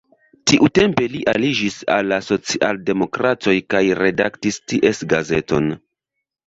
Tiutempe li aliĝis al la socialdemokratoj kaj redaktis ties gazeton.